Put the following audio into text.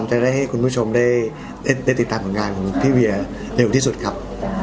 จะได้ให้คุณผู้ชมได้ติดตามผลงานของพี่เวียเร็วที่สุดครับ